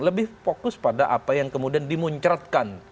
lebih fokus pada apa yang kemudian dimuncratkan